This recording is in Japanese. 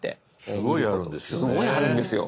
すごいあるんですよね。